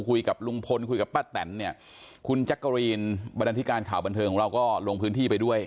คุยกับลุงพลคุยกับป้าแตนเนี่ยคุณแจ๊กกะรีนบรรดาธิการข่าวบันเทิงของเราก็ลงพื้นที่ไปด้วย